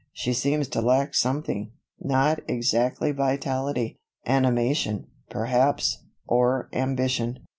She seems to lack something; not exactly vitality animation, perhaps, or ambition.